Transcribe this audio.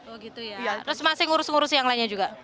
oh gitu ya terus masih ngurus ngurus yang lainnya juga